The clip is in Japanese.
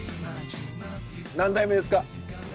何代目ですか？